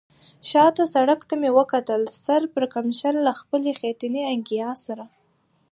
شا ته سړک ته مې وکتل، سر پړکمشر له خپلې خټینې انګیا سره.